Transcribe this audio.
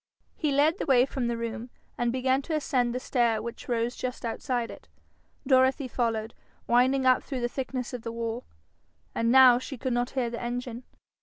He led the way from the room, and began to ascend the stair which rose just outside it. Dorothy followed, winding up through the thickness of the wall. And now she could not hear the engine.